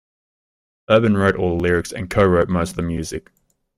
Urban wrote all of the lyrics and co-wrote most of the music.